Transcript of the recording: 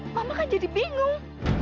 mama kan jadi bingung